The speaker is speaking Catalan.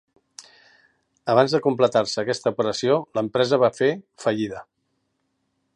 Abans de completar-se aquesta operació, l'empresa va fer fallida.